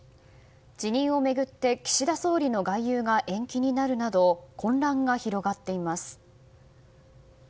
辞任を巡って岸田総理の外遊が延期になるなど混乱が広がっています。